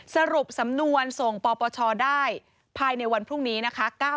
สรุปสำนวนส่งปปชได้ภายในวันพรุ่งนี้นะคะ